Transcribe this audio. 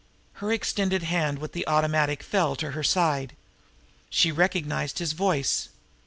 Her extended hand with the automatic fell to her side. She had recognized his voice.